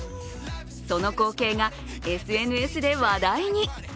その光景がＳＮＳで話題に。